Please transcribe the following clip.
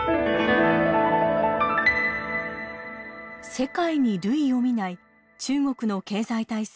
世界に類を見ない中国の経済体制